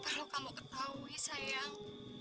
perlu kamu ketahui sayang